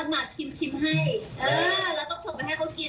เออแล้วต้องส่งไปให้เค้ากิน